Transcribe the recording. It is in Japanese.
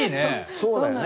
そうだよね。